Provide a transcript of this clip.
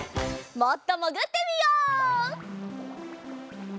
もっともぐってみよう！